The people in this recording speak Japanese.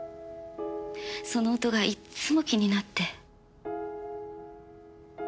その音がいっつも気になって。